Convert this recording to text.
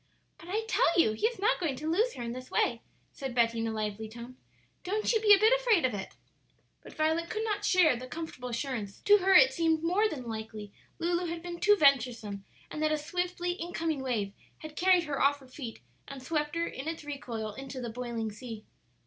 "But I tell you he is not going to lose her in this way," said Betty in a lively tone; "don't you be a bit afraid of it." But Violet could not share the comfortable assurance; to her it seemed more than likely Lulu had been too venturesome, and that a swiftly incoming wave had carried her off her feet and swept her in its recoil into the boiling sea.